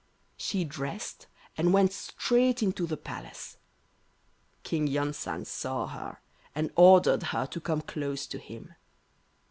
She dressed and went straight into the Palace. King Yon san saw her, and ordered her to come close to him.